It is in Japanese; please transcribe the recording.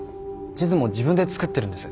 地図も自分で作ってるんです。